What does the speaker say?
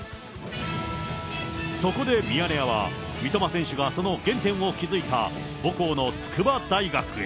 そこでミヤネ屋は、三笘選手がその原点を築いた母校の筑波大学へ。